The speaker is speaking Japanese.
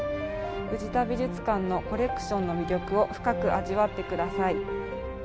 藤田美術館のコレクションの魅力を深く味わってください。